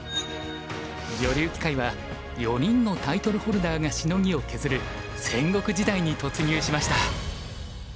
女流棋界は４人のタイトルホルダーがしのぎを削る戦国時代に突入しました。